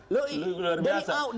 lu luar biasa